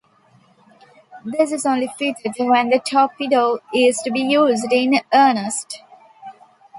This is only fitted when the torpedo is to be used in earnest.